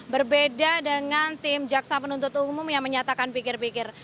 berbeda dengan tim jaksa penuntut umum yang menyatakan pikir pikir